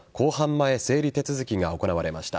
前整理手続きが行われました。